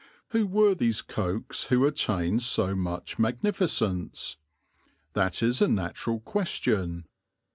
Who were these Cokes who attained so much magnificence? That is a natural question.